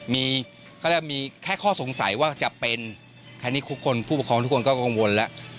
มีแค่ข้อสงสัยว่าจะเป็นแค่นี้ผู้ปกครองทุกคนก็กังวลแล้ว